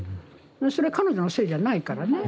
それは彼女のせいじゃないからね。